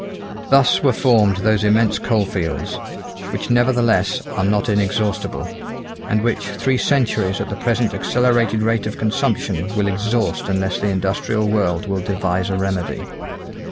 Thus were formed those immense coalfields, which nevertheless, are not inexhaustible, and which three centuries at the present accelerated rate of consumption will exhaust unless the industrial world will devise a remedy.